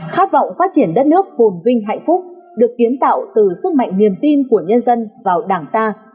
khát vọng phát triển đất nước phồn vinh hạnh phúc được kiến tạo từ sức mạnh niềm tin của nhân dân vào đảng ta